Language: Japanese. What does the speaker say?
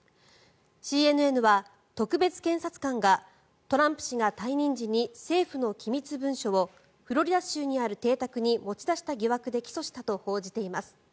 ＣＮＮは特別検察官がトランプ氏が退任時に政府の機密文書をフロリダ州にある邸宅に持ち出した疑惑で起訴したと報じています。